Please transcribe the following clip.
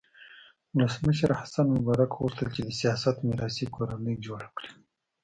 ولسمشر حسن مبارک غوښتل چې د سیاست میراثي کورنۍ جوړه کړي.